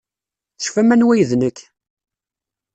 Tecfam anwa ay d nekk?